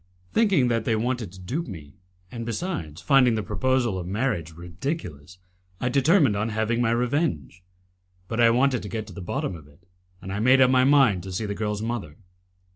Thinking that they wanted to dupe me, and besides, finding the proposal of marriage ridiculous, I determined on having my revenge. But I wanted to get to the bottom of it, and I made up my mind to see the girl's mother.